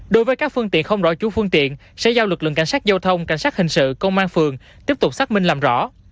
đối với các phương tiện không rõ chú phương tiện sẽ giao lực lượng cảnh sát giao thông cảnh sát hình sự công an phường tiếp tục xác minh làm rõ